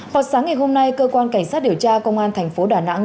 họ sáng ngày hôm nay cơ quan cảnh sát điều tra công an thành phố đà nẵng